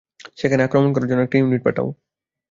সেখানে আক্রমণ করার জন্য একটা ইউনিট পাঠাও।